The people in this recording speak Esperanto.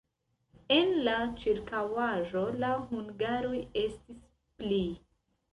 En la ĉirkaŭaĵo la hungaroj estis pli.